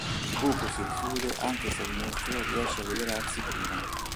Il buco si richiude anche se il mostro riesce a liberarsi prima.